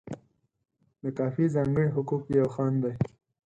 د کاپي ځانګړي حقوق یو خنډ دی.